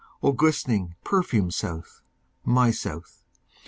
O glistening, perfumed South! My South!